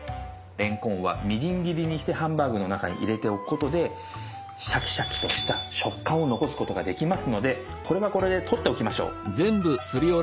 れんこんはみじん切りにしてハンバーグの中に入れておくことでシャキシャキとした食感を残すことができますのでこれはこれで取っておきましょう。